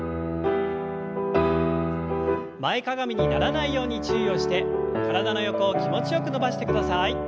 前かがみにならないように注意をして体の横を気持ちよく伸ばしてください。